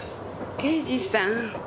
刑事さん。